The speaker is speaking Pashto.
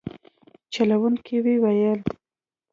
چلوونکو ویلي